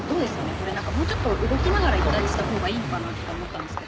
これなんかもうちょっと動きながら言ったりしたほうがいいかなとか思ったんですけど。